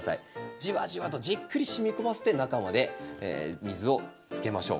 じわじわとじっくり染み込ませて中まで水をつけましょう。